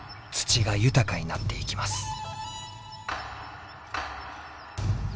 土が豊かになっていきます。